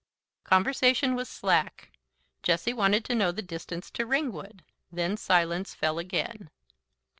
Conversation was slack. Jessie wanted to know the distance to Ringwood. Then silence fell again.